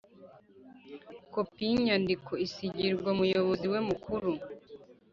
kopi y’ inyandiko isigirwa umuyobozi we mukuru